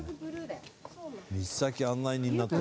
道先案内人になってる。